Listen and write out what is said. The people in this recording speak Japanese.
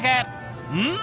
うん！